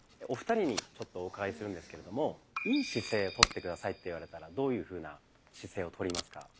お二人にちょっとお伺いするんですけれども「良い姿勢」をとって下さいって言われたらどういうふうな姿勢をとりますか？